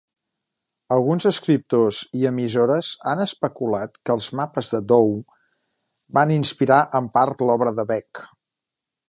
Alguns escriptors i emissores han especulat que els mapes de Dow van inspirar, en part, l'obra de Beck.